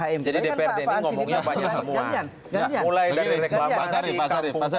jadi dprd ini ngomongnya banyak temuan